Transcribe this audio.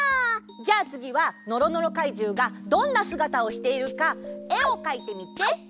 じゃあつぎはのろのろかいじゅうがどんなすがたをしているかえをかいてみて！